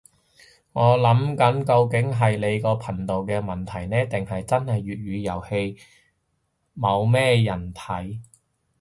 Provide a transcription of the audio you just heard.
我諗緊究竟係你個頻道嘅問題呢，定係真係粵語遊戲嘢冇人睇